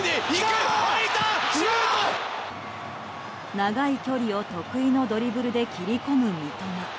長い距離を得意のドリブルで切り込む三笘。